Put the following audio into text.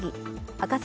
赤坂